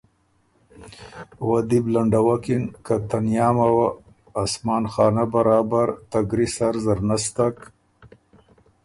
وه دی بُو لنډَوَکِن که تنیامه وه اسمان خانۀ برابر ته ګري سر زر نستک